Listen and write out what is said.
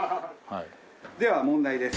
では問題です。